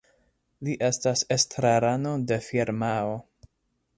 Li estas estrarano de firmao.